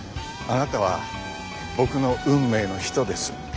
あなたは僕の運命の人です。